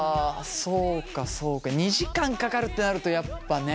そうかそうか２時間かかるってなるとやっぱね。